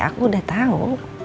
aku udah tau